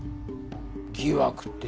疑惑って？